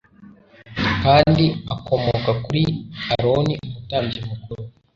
kandi akomoka kuri Aroni umutambyi mukuru